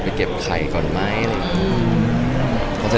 แต่ขอมินเวิร์ดก็บอกว่า